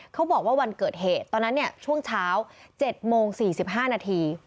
เขาบอกว่าวันเกิดเหตุตอนนั้นเนี้ยช่วงเช้าเจ็ดโมงสี่สิบห้านาที